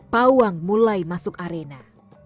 pawang mulai masuk arena